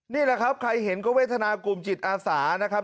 นี่แหละครับใครเห็นก็เวทนากลุ่มจิตอาสานะครับ